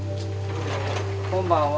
こんばんは。